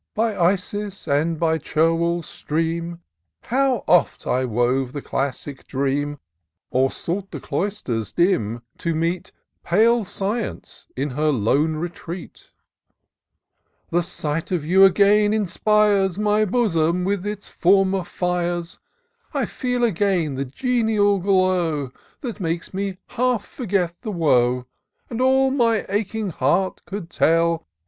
By Isis and by Cherwell's stream, How oft I wove the classic dream, Or sought the cloisters dim, to rtieet Pale Science in her lone tetreat ! The sight of you again inspires My bosom with its former fires ; I feel again the genial glow. That makes me half forget the woe. And all my aching heart could tell.